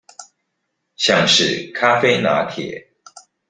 像是咖啡拿鐵